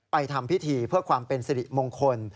ทำพิธีเพื่อความเป็นสิริมงคล